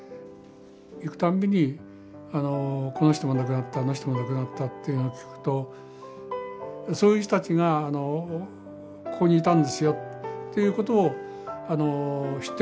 行くたんびにこの人が亡くなったあの人が亡くなったというような聞くとそういう人たちがここにいたんですよということを知ってほしい。